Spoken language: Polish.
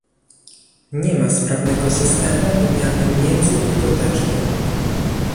Nie ma sprawnego systemu wymiany międzybibliotecznej